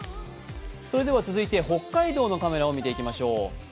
続いて北海道のカメラを見ていきましょう。